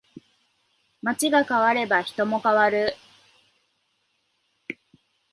街が変われば人も変わる